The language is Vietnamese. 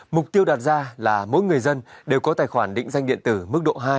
mục tiêu đạt ra là mỗi người dân đều có tài khoản định danh điện tử mức độ hai